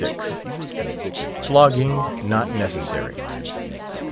FLOGGING NOT NECESSARY.